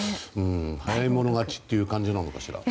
早い者勝ちという感じなのかしら。